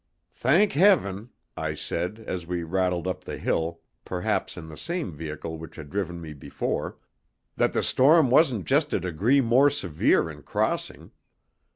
"Thank heaven!" I said, as we rattled up the hill (perhaps in the same vehicle which had driven me before), "that the storm wasn't just a degree more severe in crossing.